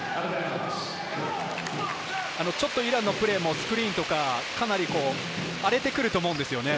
ちょっとイランのプレーもスクリーンとか、かなり荒れてくると思うんですよね。